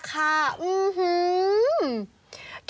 เพราะโพสต์นี้ถูกเผยแพร่ออกไปเท่านั้นแหละค่ะ